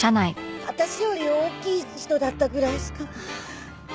私より大きい人だったぐらいしか。